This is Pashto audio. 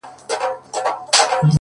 پټ کي څرگند دی ـ